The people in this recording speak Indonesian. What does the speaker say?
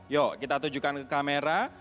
yuk kita tujukan ke kamera